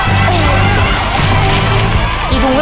สี่สอง